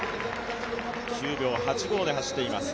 ９秒８５で走っています。